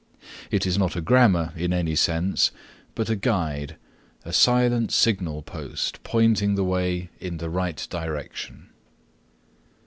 It is not a Grammar in any sense, but a guide, a silent signal post pointing the way in the right direction.